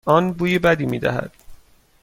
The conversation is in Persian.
آن بوی بدی میدهد.